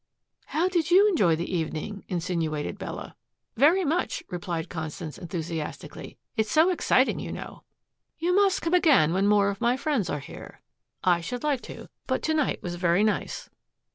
"How did you enjoy the evening!" insinuated Bella. "Very much," replied Constance enthusiastically. "It is so exciting, you know." "You must come again when more of my friends are here." "I should like to. But to night was very nice."